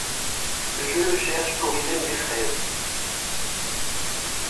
Je le cherche pour y mettre des fraises.